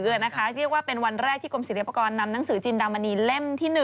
เรียกว่าเป็นวันแรกที่กรมศิลปากรนำหนังสือจินดามณีเล่มที่๑